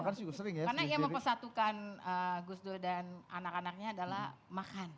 karena ia mempersatukan gus dur dan anak anaknya adalah makan